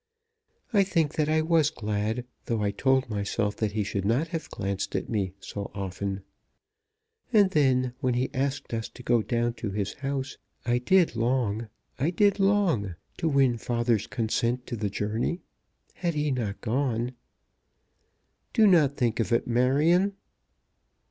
I think that I was glad, though I told myself that he should not have glanced at me so often. And then, when he asked us to go down to his house I did long, I did long, to win father's consent to the journey. Had he not gone " "Do not think of it, Marion."